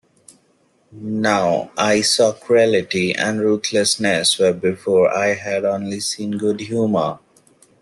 Now I saw cruelty and ruthlessness, where before I had only seen good-humour.